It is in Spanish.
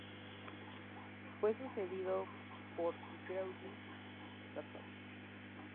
Fue sucedido por Gueorgui Zhúkov.